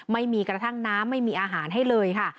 ไม่มีกระทั่งน้ำไม่มีอาหารให้เลยค่ะ